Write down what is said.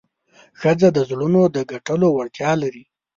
ښځه د زړونو د ګټلو وړتیا لري.